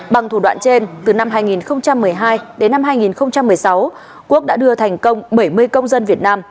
bằng thủ đoạn trên từ năm hai nghìn một mươi hai đến năm hai nghìn một mươi sáu quốc đã đưa thành công bảy mươi công dân việt nam